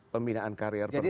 pembinaan karier pembinaan